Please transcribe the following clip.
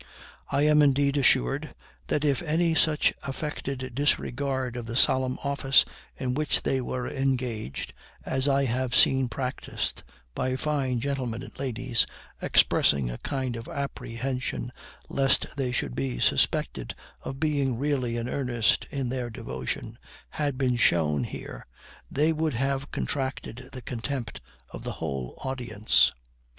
I am indeed assured, that if any such affected disregard of the solemn office in which they were engaged, as I have seen practiced by fine gentlemen and ladies, expressing a kind of apprehension lest they should be suspected of being really in earnest in their devotion, had been shown here, they would have contracted the contempt of the whole audience.